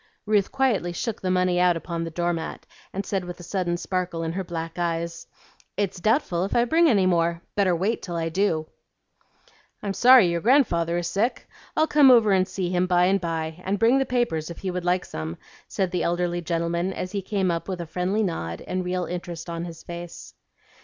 Ruth quietly shook the money out upon the door mat, and said with a sudden sparkle in her black eyes, "It's doubtful if I bring any more. Better wait till I do." "I'm sorry your grandfather is sick. I'll come over and see him by and by, and bring the papers if he would like some," said the elderly gentleman as he came up with a friendly nod and real interest in his face.